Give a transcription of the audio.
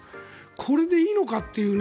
これでいいのかという。